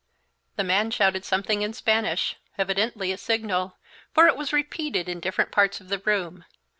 The man shouted something in Spanish, evidently a signal, for it was repeated in different parts of the room.